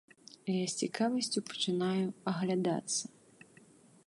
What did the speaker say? Я з цікавасцю пачынаю аглядацца.